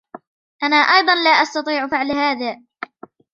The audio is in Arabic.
أنا أيضا لا أستطيع فعل هذا.